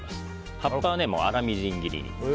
葉っぱは粗みじん切りに。